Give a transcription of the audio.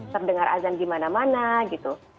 terdengar azan di mana mana gitu